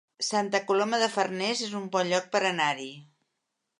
Santa Coloma de Farners es un bon lloc per anar-hi